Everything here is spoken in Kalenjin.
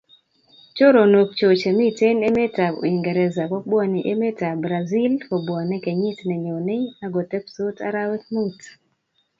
Choronokchu chemiten emetab Uingereza kobwane emetab Brazil kobwane kenyit nenyone agotepsot arawek muut